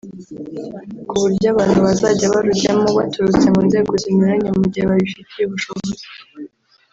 ku buryo abantu bazajya barujyamo baturutse mu nzego zinyuranye mu gihe babifitiye ubushobozi